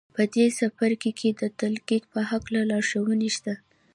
په دې څپرکو کې د تلقین په هکله لارښوونې شته